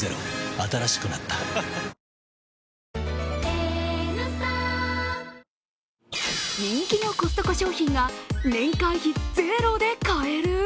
新しくなった人気のコストコ商品が年会費ゼロで買える？